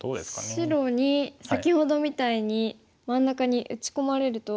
白に先ほどみたいに真ん中に打ち込まれると。